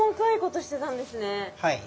はい。